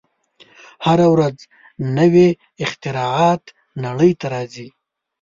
هره ورځ نوې اختراعات نړۍ ته راځي.